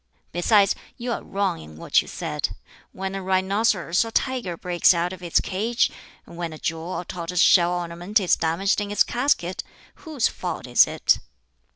Besides, you are wrong in what you said. When a rhinoceros or tiger breaks out of its cage when a jewel or tortoise shell ornament is damaged in its casket whose fault is it?"